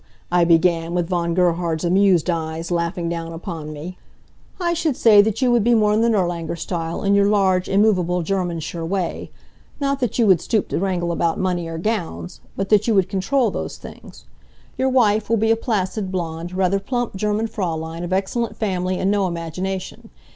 I began, with Von Gerhard's amused eyes laughing down upon me. "I should say that you would be more in the Nirlanger style, in your large, immovable, Germansure way. Not that you would stoop to wrangle about money or gowns, but that you would control those things. Your wife will be a placid, blond, rather plump German Fraulein, of excellent family and no imagination.